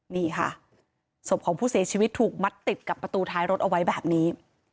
นี่ค่ะศพของผู้เสียชีวิตถูกมัดติดกับประตูท้ายรถเอาไว้แบบนี้